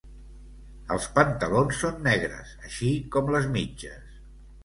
Els pantalons són negres així com les mitges.